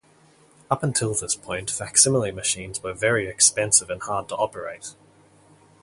Up until this point facsimile machines were very expensive and hard to operate.